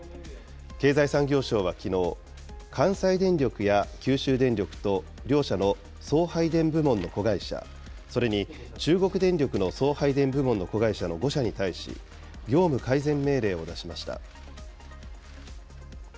経済産業省はきのう、関西電力や九州電力と、両社の送配電部門の子会社、それに中国電力の送配電部門の子会社の５社に対し、業務改善命令を出しました。